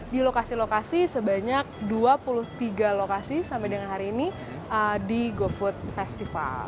di lokasi lokasi sebanyak dua puluh tiga lokasi sampai dengan hari ini di gofood festival